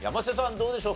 どうでしょう？